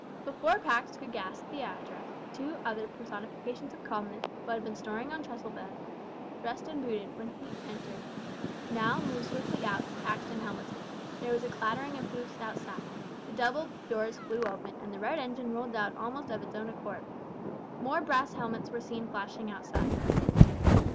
Before Pax could gasp the address, two other personifications of calmness, who had been snoring on trestle beds, dressed and booted, when he entered, now moved swiftly out, axed and helmeted. There was a clattering of hoofs outside. The double doors flew open, and the red engine rolled out almost of its own accord. More brass helmets were seen flashing outside.